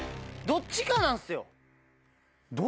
どっちかなんすよ